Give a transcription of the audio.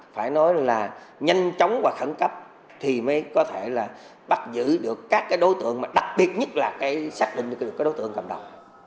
phải nói là nhanh chóng và khẩn cấp thì mới có thể là bắt giữ được các cái đối tượng mà đặc biệt nhất là cái xác định được cái đối tượng cầm đầu